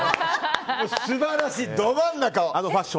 素晴らしい、ど真ん中。